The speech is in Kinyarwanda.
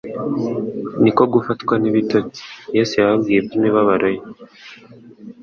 niko gufatwa n'ibitotsi. Yesu yababwiye iby'imibabaro ye: